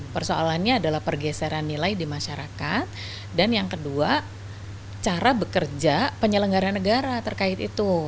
persoalannya adalah pergeseran nilai di masyarakat dan yang kedua cara bekerja penyelenggaran negara terkait itu